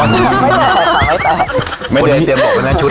ไม่ได้เตรียมบอกว่านี้ไงชุด